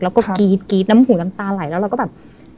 แล้วก็กรี๊ดกรี๊ดน้ำหูน้ำตาไหลแล้วเราก็แบบ